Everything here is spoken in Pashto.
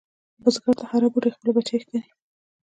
بزګر ته هره بوټۍ خپل بچی ښکاري